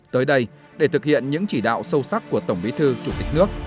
tới đây để thực hiện những chỉ đạo sâu sắc của tổng bí thư chủ tịch nước